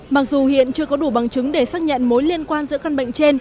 mặc dù hiện chưa có đủ bằng chứng để xác nhận mối liên quan giữa căn bệnh trên